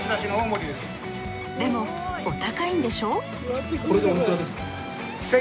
でもお高いんでしょ？